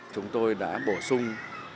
chúng tôi đã bổ sung